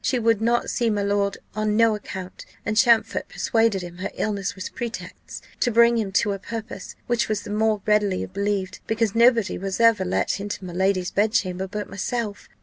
She would not see my lord on no account, and Champfort persuaded him her illness was pretence, to bring him to her purpose; which was the more readily believed, because nobody was ever let into my lady's bedchamber but myself.